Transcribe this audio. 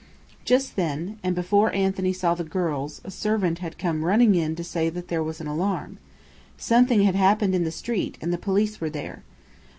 Just then, and before Anthony saw the girls, a servant had come running in to say that there was an alarm. Something had happened in the street, and the police were there.